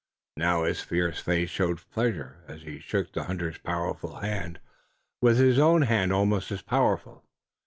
Now his fierce face showed pleasure, as he shook the hunter's powerful hand with his own hand almost as powerful.